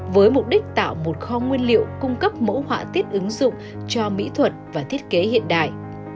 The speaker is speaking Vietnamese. với mục đích tạo một kho nguyên liệu cung cấp mẫu họa tiết ứng dụng cho mỹ thuật và thiết kế hiện đại